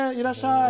いらっしゃい！